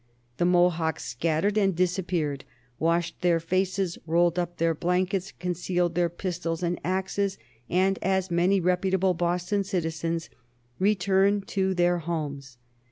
The Mohawks scattered and disappeared, washed their faces, rolled up their blankets, concealed their pistols and axes, and as many reputable Boston citizens returned to their homes.